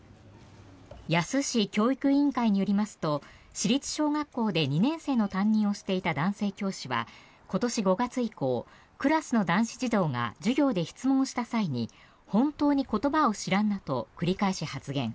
野洲市教育委員会によりますと市立小学校で２年生の担任をしていた男性教師は今年５月以降クラスの男子児童が授業で質問した際に本当に言葉を知らんなと繰り返し発言。